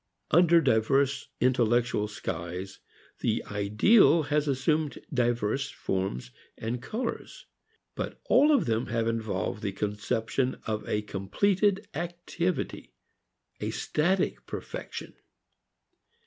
Under diverse intellectual skies the ideal has assumed diverse forms and colors. But all of them have involved the conception of a completed activity, a static perfection.